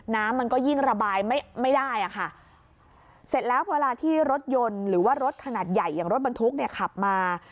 น้ำมันก็ยิ่งระบายไม่ไม่ได้อ่ะค่ะเสร็จแล้วเวลาที่รถยนต์หรือว่ารถขนาดใหญ่อย่างรถบรรทุกเนี่ยขับมา